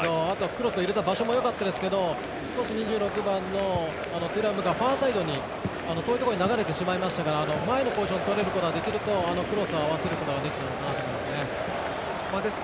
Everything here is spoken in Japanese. クロスを入れた場所もよかったんですが２６番のテュラムがファーサイドに遠いところに流れてしまいましたから前のポジションをとれることができるとクロスに合わせることができたのかなと思います。